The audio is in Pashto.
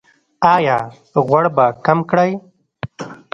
ایا غوړ به کم کړئ؟